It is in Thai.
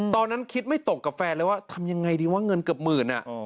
ตอนนั้นคิดไม่ตกกับแฟนเลยว่าทำยังไงดีวะเงินเกือบหมื่น